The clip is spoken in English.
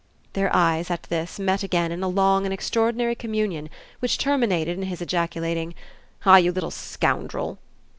Their eyes, at this, met again in a long and extraordinary communion which terminated in his ejaculating: "Ah you little scoundrel!"